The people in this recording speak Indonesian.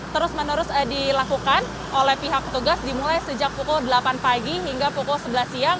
terus menerus dilakukan oleh pihak petugas dimulai sejak pukul delapan pagi hingga pukul sebelas siang